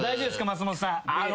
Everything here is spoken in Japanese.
松本さん。